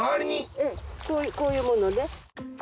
うんこういうものね。